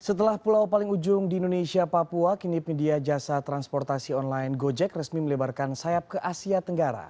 setelah pulau paling ujung di indonesia papua kini media jasa transportasi online gojek resmi melebarkan sayap ke asia tenggara